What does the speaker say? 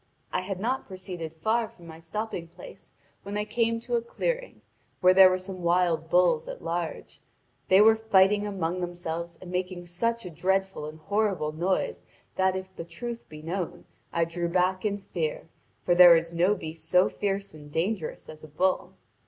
I had not proceeded far from my stopping place when I came to a clearing, where there were some wild bulls at large; they were fighting among themselves and making such a dreadful and horrible noise that if the truth be known, I drew back in fear, for there is no beast so fierce and dangerous as a bull.